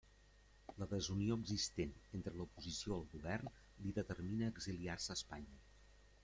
La desunió existent entre l'oposició al govern li determina a exiliar-se a Espanya.